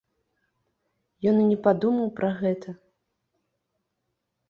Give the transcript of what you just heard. Ён і не падумаў пра гэта.